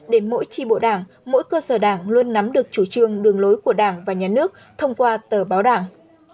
để mỗi tri bộ đảng mỗi cơ sở đảng luôn nắm được chủ trương đường lối của đảng và nhà nước thông qua tờ báo đảng